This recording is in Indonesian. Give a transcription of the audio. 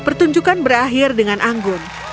pertunjukan berakhir dengan anggun